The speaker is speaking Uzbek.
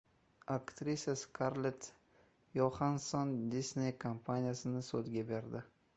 Aktrisa Skarlett Yoxansson Disney kompaniyasini sudga berdi